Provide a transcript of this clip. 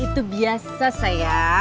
tapi nggak pada